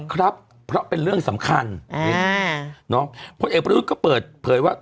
ครับเพราะเป็นเรื่องสำคัญอ่าเนอะพลเอกประดูกก็เปิดเผยว่า